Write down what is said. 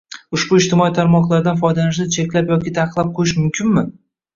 ushbu ijtimoiy tarmoqlaridan foydalanishni cheklab yoki taqiqlab qo’yish mumkinmi?